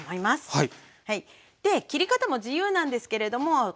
はい。